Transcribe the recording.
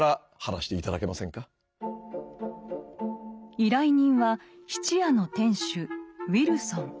依頼人は質屋の店主・ウィルソン。